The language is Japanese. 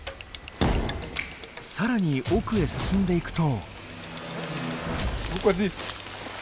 更に奥へ進んでいくと。